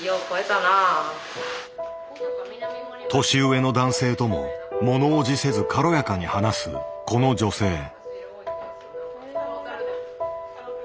年上の男性とも物おじせず軽やかに話すこの女性。